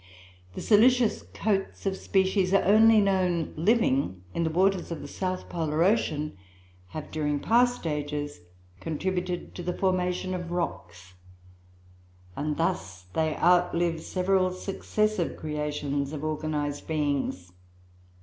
The silicious coats of species only known living in the waters of the South Polar Ocean, have, during past ages, contributed to the formation of rocks; and thus they outlive several successive creations of organized beings.